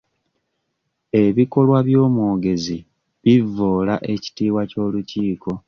Ebikolwa by'omwogezi bivvoola ekitiibwa ky'olukiiko.